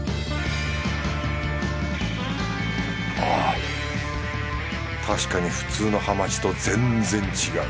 あ確かに普通のハマチと全然違う。